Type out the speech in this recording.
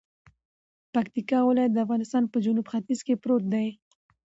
پکتیکا ولایت دافغانستان په جنوب ختیځ کې پروت دی